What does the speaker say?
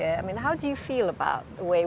bagaimana perasaan kamu